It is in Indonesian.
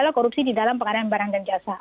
adalah korupsi di dalam pengadaan barang dan jasa